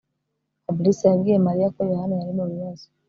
fabrice yabwiye mariya ko yohana yari mu bibazo